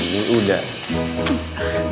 dia kena peduli aja